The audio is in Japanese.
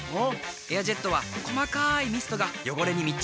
「エアジェット」は細かいミストが汚れに密着。